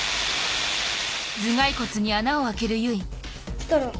ストロー。